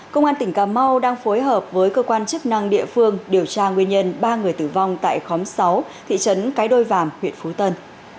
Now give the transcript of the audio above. công an tỉnh cà mau đang phối hợp với cơ quan chức năng địa phương điều tra nguyên nhân ba người tử vong tại khóm sáu thị trấn cái đôi vàm huyện phú tân